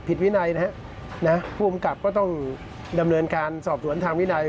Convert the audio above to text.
วินัยนะฮะผู้กำกับก็ต้องดำเนินการสอบสวนทางวินัย